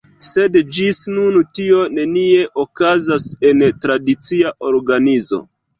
Sed ĝis nun tio nenie okazas en tradicia organizo.